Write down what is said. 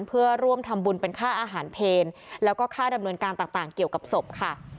เพื่อร่วมทำบุญเป็นค่าอาหารเพลแล้วก็ค่าดำเนินการต่างเกี่ยวกับศพค่ะ